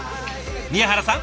宮原さん